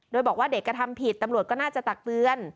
โดยบอกว่าเด็กกระทำผิดตำรวจก็น่าจะตักเตือน